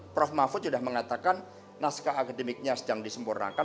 prof mahfud sudah mengatakan naskah akademiknya sedang disempurnakan